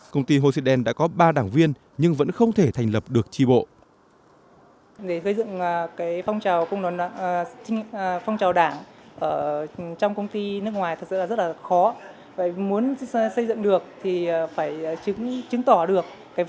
công ty hồ sĩ đen đã có ba đảng viên nhưng vẫn không thể thành lập được tri bộ